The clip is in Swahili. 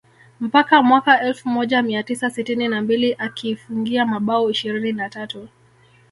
mpaka mwaka elfu moja mia tisa sitini na mbili akiifungia mabao ishirini na tatu